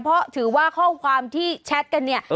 เพราะถือว่าข้อความที่แชทกันเนี่ย